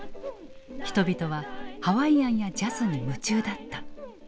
人々はハワイアンやジャズに夢中だった。